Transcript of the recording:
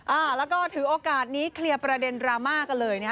อ่าแล้วก็ถือโอกาสนี้เคลียร์ประเด็นดราม่ากันเลยนะฮะ